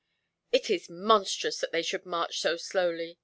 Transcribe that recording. "It is monstrous that they should march so slowly.